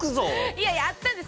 いやいやあったんです。